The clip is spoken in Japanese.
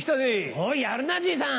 おっやるなじいさん。